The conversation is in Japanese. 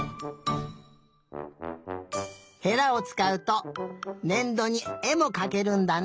へらをつかうとねんどにえもかけるんだね。